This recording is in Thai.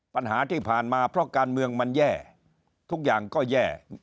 ปัญหาที่ผ่านมาเพราะการเมืองมันแย่ทุกอย่างก็แย่